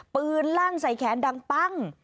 ลั่นใส่แขนดังปั้ง